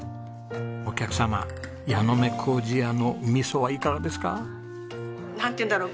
お客様矢ノ目糀屋の味噌はいかがですか？なんていうんだろう